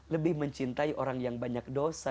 lebih mencintai orang yang banyak dosa